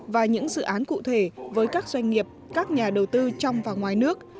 và những dự án cụ thể với các doanh nghiệp các nhà đầu tư trong và ngoài nước